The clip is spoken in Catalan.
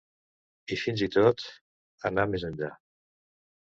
I fins i tot, anar més enllà.